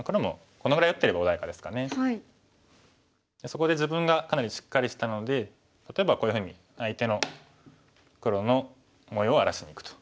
そこで自分がかなりしっかりしたので例えばこういうふうに相手の黒の模様を荒らしにいくと。